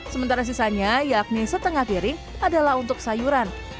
sementara sisanya yakni setengah piring adalah untuk sayuran